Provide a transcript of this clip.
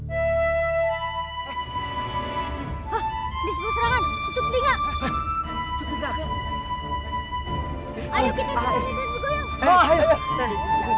hah disitu serangan tutup linga